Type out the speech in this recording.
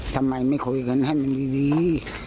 ทำไมไม่คุยกันให้มันดี